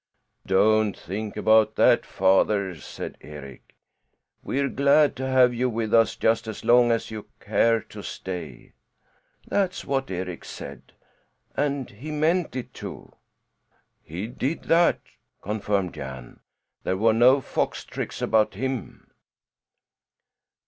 'Don't think about that, Father,' said Eric. 'We're glad to have you with us just as long as you care to stay.' That's what Eric said. And he meant it, too!" "He did that," confirmed Jan. "There were no fox tricks about him!"